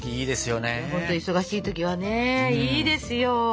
忙しい時はねいいですよ。